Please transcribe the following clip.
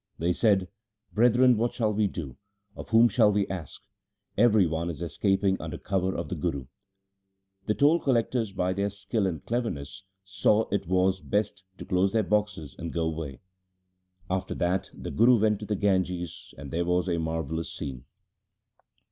They said, ' Brethren, what shall we do ? of whom shall we ask ? Every one is escaping under cover of the Guru.' The tpll collectors by their skill and cleverness saw it was best to close their boxes and go away. After that the Guru went to the Ganges, and there was a marvellous scene.